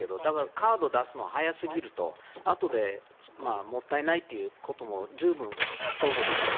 カード出すのが早すぎるとあとでもったいないということも随分想像できます。